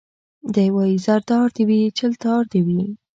دی وايي زردار دي وي چلتار دي وي